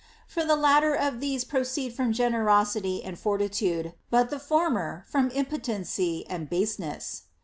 For the latter of these proceed from generosity and fortitude, but the former from ii η po tency and baseness.